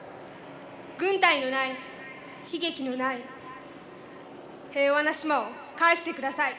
軍隊のない悲劇のない平和な島を返して下さい。